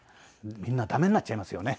みんなダメになっちゃいますよね。